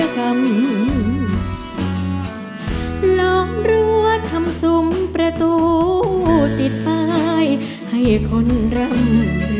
ลงรั้วทำซุ้มประตูติดป้ายให้คนรำ